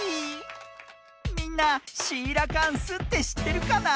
みんなシーラカンスってしってるかな？